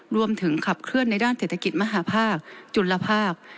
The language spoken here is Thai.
ขับเคลื่อนในด้านเศรษฐกิจมหาภาคจุลภาค